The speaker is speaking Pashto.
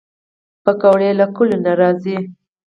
پکورې له کلیو نه راځي